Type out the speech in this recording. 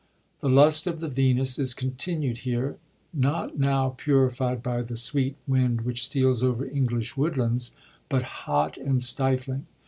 The lust of the Vemis is continued here, not now purified by the sweet wind which steals over English woodlands, but hot and stifling.